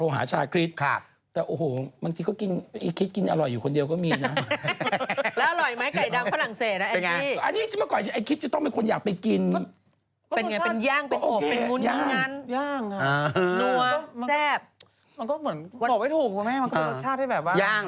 รู้สึกเมืองไทยเขามีเข้ามาเป็นขั้วไก่สฝรั่ง